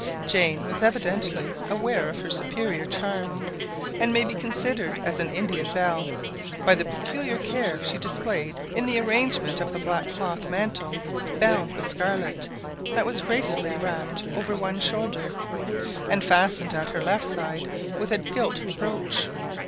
Jane was evidently aware of her superior charms, and may be considered as an Indian belle, by the peculiar care she displayed in the arrangement of the black cloth mantle, bound with scarlet, that was gracefully wrapped over one shoulder, and fastened at her left side with a gilt brooch.